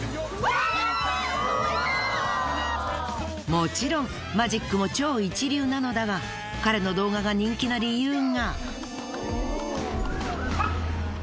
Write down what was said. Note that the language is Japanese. もちろんマジックも超一流なのだが彼の動画が人気な理由が。